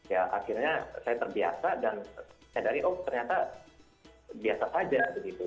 ya akhirnya saya terbiasa dan nyadari oh ternyata biasa saja begitu